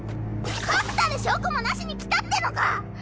確たる証拠もなしに来たってのか